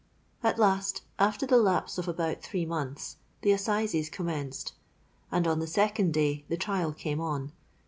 "At last, after the lapse of about three months, the Assizes commenced; and on the second day the trial came on.